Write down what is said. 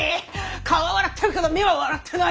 顔は笑ってるけど目は笑ってない！